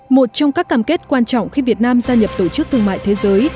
một trong các cảm kết quan trọng khi việt nam gia nhập tổ chức thương mại thế giới